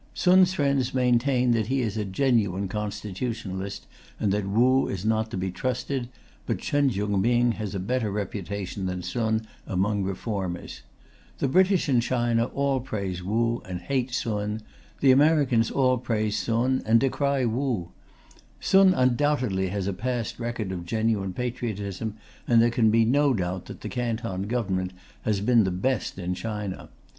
Sun's friends maintain that he is a genuine Constitutionalist, and that Wu is not to be trusted, but Chen Chiung Ming has a better reputation than Sun among reformers. The British in China all praise Wu and hate Sun; the Americans all praise Sun and decry Wu. Sun undoubtedly has a past record of genuine patriotism, and there can be no doubt that the Canton Government has been the best in China.